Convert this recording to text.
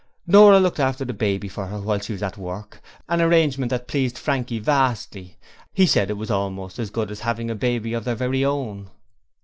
Nora looked after the baby for her while she was at work, an arrangement that pleased Frankie vastly; he said it was almost as good as having a baby of their very own.